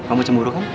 kamu cemburu kan